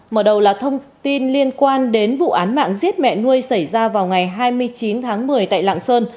mở đầu là thông tin liên quan đến vụ án mạng giết mẹ nuôi xảy ra vào ngày hai mươi chín tháng một mươi tại lạng sơn